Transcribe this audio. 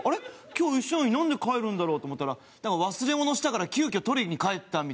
今日一緒なのになんで帰るんだろうと思ったら忘れ物したから急きょ取りに帰ったみたいな。